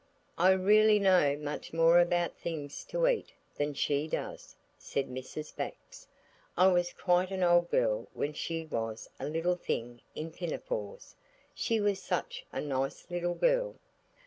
"I really know much more about things to eat than she does," said Mrs. Bax. "I was quite an old girl when she was a little thing in pinafores. She was such a nice little girl."